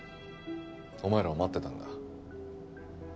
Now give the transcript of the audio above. お前らを待ってたんだ